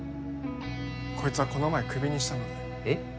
こいつはこの前クビにしたのでえっ？